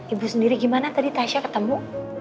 ibu sendiri gimana tadi tasha ketemu